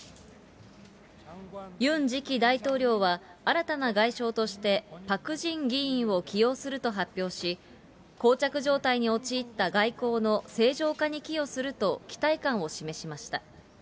ユン次期大統領は、新たな外相として、パク・ジン議員を起用すると発表し、こう着状態に陥った外交の正常化に寄与すると期待感を示しました。